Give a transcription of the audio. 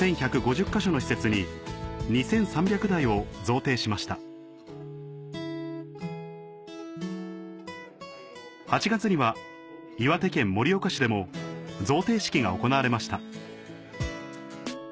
か所の施設に２３００台を贈呈しました８月には岩手県盛岡市でも贈呈式が行われました